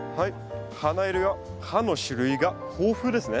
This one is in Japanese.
花色や葉の種類が豊富ですね。